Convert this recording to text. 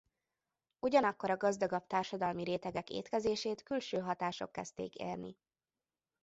Ugyanakkor a gazdagabb társadalmi rétegek étkezését külső hatások kezdték érni.